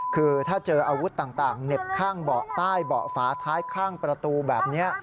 คือถ้าเจออาวุธต่างเหน็บข้างเบาะใต้เบาะฝาท้ายข้างประตูแบบนี้